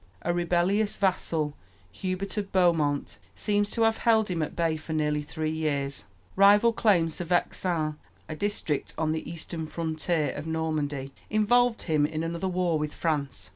A rebellious vassal, Hubert of Beaumont, seems to have held him at bay for nearly three years. Rival claims to Vexin, a district on the eastern frontier of Normandy, involved him in another war with France.